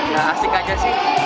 ya asik aja sih